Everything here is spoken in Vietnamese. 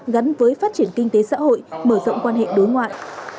gắn với phát triển kinh tế xã hội mở rộng quan hệ đối ngoại